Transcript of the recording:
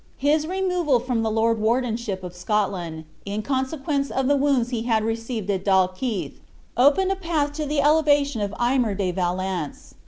His removal from the lord wardenship of Scotland, in consequence of the wounds he had received at Dalkeith, opened a path to the elevation of Aymer de Valence.